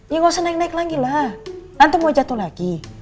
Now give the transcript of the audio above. ya nggak usah naik naik lagi lah nanti mau jatuh lagi